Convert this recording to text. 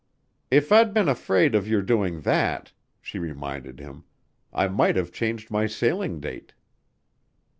"If I'd been afraid of your doing that," she reminded him, "I might have changed my sailing date."